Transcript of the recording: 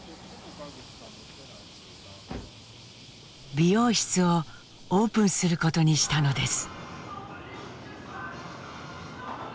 美容室をオープンすることにしたのです。